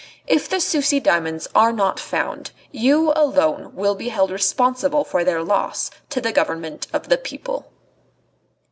If the Sucy diamonds are not found, you alone will be held responsible for their loss to the Government of the People."